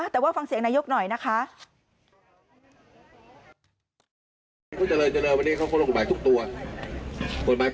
แต่ว่าฟังเสียงนายกหน่อยนะคะ